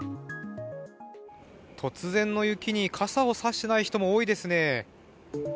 突然の雪に傘を差していない人も多いですね。